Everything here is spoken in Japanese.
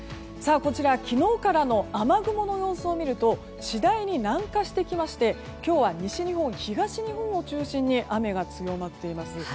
こちら、昨日からの雨雲の様子を見ると次第に南下してきまして今日は西日本、東日本を中心に雨が強まっています。